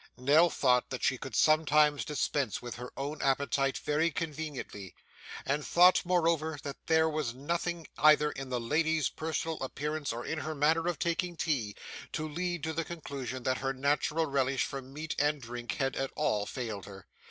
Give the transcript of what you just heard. Nell thought that she could sometimes dispense with her own appetite very conveniently; and thought, moreover, that there was nothing either in the lady's personal appearance or in her manner of taking tea, to lead to the conclusion that her natural relish for meat and drink had at all failed her.